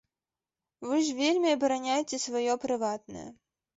Вы ж вельмі абараняеце сваё прыватнае.